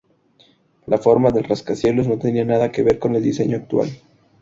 La forma del rascacielos no tenía nada que ver con el diseño actual.